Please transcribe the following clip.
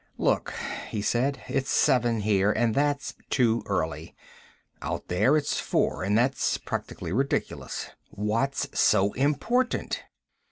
"Look," he said. "It's seven here and that's too early. Out there, it's four, and that's practically ridiculous. What's so important?"